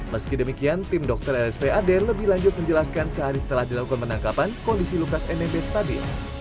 meski demikian tim dokter rspad lebih lanjut menjelaskan sehari setelah dilakukan penangkapan kondisi lukas nmb stabil